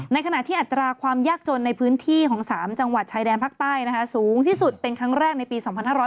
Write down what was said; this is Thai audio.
ในขณะที่อัตราความยากจนในพื้นที่ของ๓จังหวัดชายแดนภาคใต้สูงที่สุดเป็นครั้งแรกในปี๒๕๖๐